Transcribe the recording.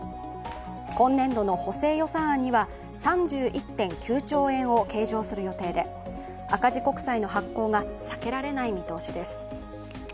今年度の補正予算には３１．９兆円を計上する見通しで赤字国債の発行が避けられない見通しです。